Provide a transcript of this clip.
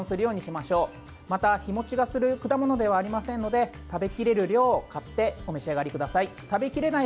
また、日持ちがする果物ではありませんので食べきれる量を買ってお召し上がりください。